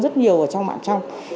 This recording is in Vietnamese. rất nhiều ở trong mạng trong